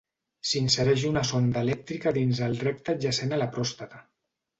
S'insereix una sonda elèctrica dins el recte adjacent a la pròstata.